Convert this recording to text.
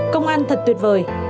công an thật tuyệt vời